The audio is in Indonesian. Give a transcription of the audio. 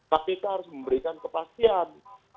kpk harus memberikan kepastian